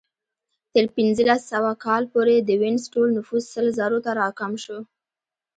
تر پنځلس سوه کال پورې د وینز ټول نفوس سل زرو ته راکم شو